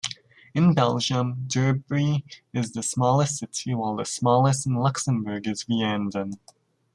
In Belgium, Durbuy is the smallest city, whilst the smallest in Luxembourg is Vianden.